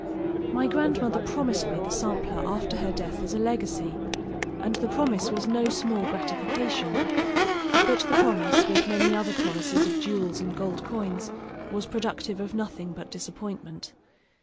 My grandmother promised me the sampler after her death as a legacy, and the promise was no small gratification; but the promise, with many other promises of jewels and gold coins, was productive of nothing but disappointment.